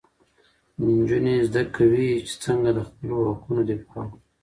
نجونې زده کوي چې څنګه د خپلو حقونو دفاع وکړي.